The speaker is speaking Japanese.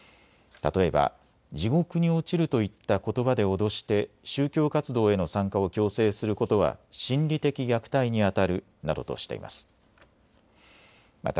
例えば、地獄に落ちるといったことばで脅して宗教活動への参加を強制することは心理的虐待にあたるなどとしています。